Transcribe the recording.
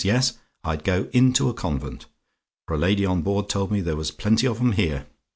Yes; I'd go into a convent; for a lady on board told me there was plenty of 'em here.